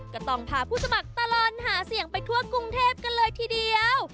ก็ต้องพาผู้สมัครตลอดหาเสียงไปทั่วกรุงเทพกันเลยทีเดียว